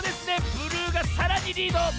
ブルーがさらにリード。